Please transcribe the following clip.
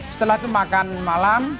setelah itu makan malam